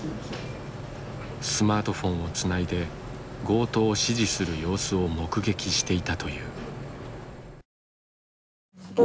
スマートフォンをつないで強盗を指示する様子を目撃していたという。